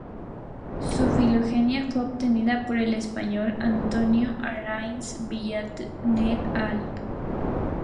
Su filogenia fue obtenida por el español Antonio Arnaiz-Villena et al.